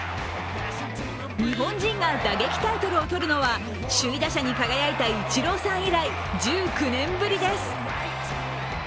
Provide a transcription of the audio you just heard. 日本人が打撃タイトルを取るのは首位打者に輝いたイチローさん以来１９年ぶりです。